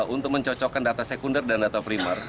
untuk mencocokkan data sekunder dan data primer